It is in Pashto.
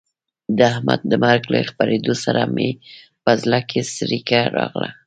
د احمد د مرګ له خبرېدو سره مې په زړه کې څړیکه راغله.